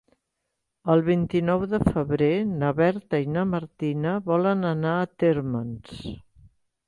El vint-i-nou de febrer na Berta i na Martina volen anar a Térmens.